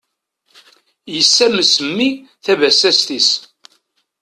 Yessames mmi tabasast-is.